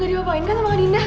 gak diwapain kan sama kak dinda